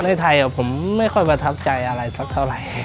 ในไทยผมไม่ค่อยประทับใจอะไรสักเท่าไหร่